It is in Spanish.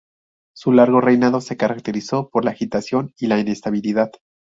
Su largo reinado se caracterizó por la agitación y la inestabilidad.